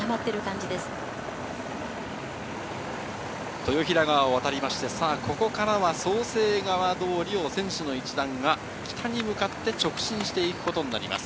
豊平川を渡りまして、ここからは創成川通を選手の一団が北に向かって直進していくことになります。